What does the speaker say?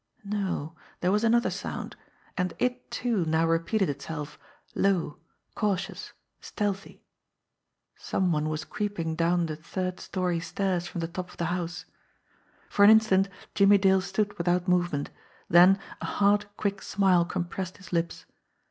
No, there was another sound and it, too, now repeated itself, low, cautious, stealthy. Some one was creeping down the third story stairs from the top of the house. For an instant Jimmie Dale stood without movement, then a hard, quick smile compressed his lips.